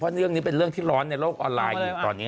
เรื่องนี้เป็นเรื่องที่ร้อนในโลกออนไลน์อยู่ตอนนี้